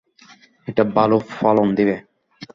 এটা ভালো ফলন দিবে।